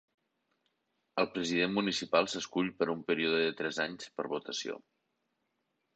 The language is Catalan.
El president municipal s'escull per a un període de tres anys per votació.